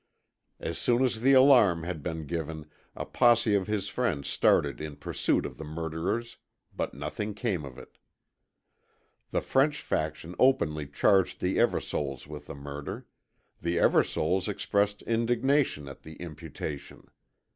As soon as the alarm had been given, a posse of his friends started in pursuit of the murderers, but nothing came of it. The French faction openly charged the Eversoles with the murder. The Eversoles expressed indignation at the imputation.